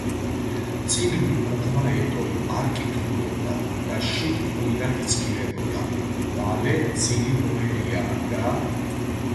წიგნი უკუღმა ედო, არ კითხულობდა და შიგ ტყუილად იცქირებოდა. მალე ძილი მოერია და